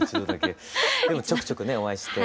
でもちょくちょくねお会いして。